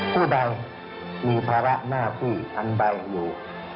ผู้ใดมีภาระหน้าที่อันใดอยู่